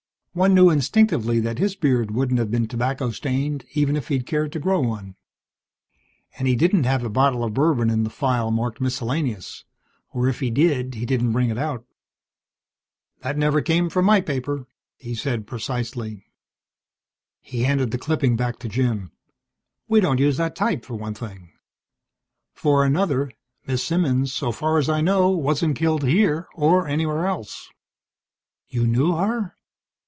One knew instinctively that his beard wouldn't have been tobacco stained even if he'd cared to grow one. And he didn't have a bottle of bourbon in the file marked Miscellaneous, or if he did he didn't bring it out. "That never came from my paper," he said precisely. He handed the clipping back to Jim. "We don't use that type, for one thing. For another, Miss Simmons, so far as I know, wasn't killed here or anywhere else." "You knew her?"